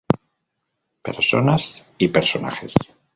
Personas y personajes.